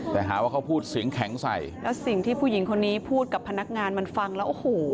แต่หาว่าเขาพูดเสียงแข็งใส่แล้วสิ่งที่ผู้หญิงคนนี้พูดกับพนักงานมันฟังแล้วโอ้โห